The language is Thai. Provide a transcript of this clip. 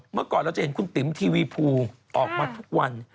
เมื่อก่อนเราจะเห็นคุณติ๋มทีวีภูออกมาทุกวัน